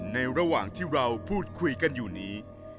ระหว่างที่เราพูดคุยกันอยู่นี้